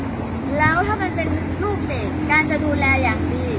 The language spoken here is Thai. แล้วถ้ามันเป็นลูกเสกการจะดูแลอย่างดี